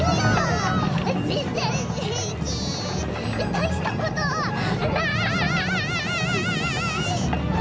たいしたことない。